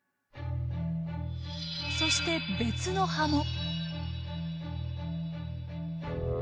そして別の葉も。